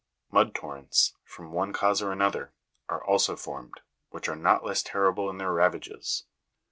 13. Mud torrents, from one cause or another, are also formed, which are not less terrible in their ravages.